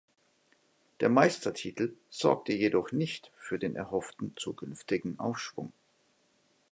Der Meistertitel sorgte jedoch nicht für den erhofften zukünftigen Aufschwung.